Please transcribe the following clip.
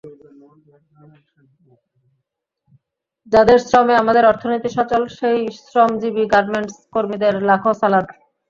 যাঁদের শ্রমে আমাদের অর্থনীতি সচল সেই শ্রমজীবি গার্মেন্টস কর্মীদের লাখো সালাম।